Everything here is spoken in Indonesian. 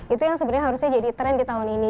itu yang sebenarnya harusnya jadi tren di tahun ini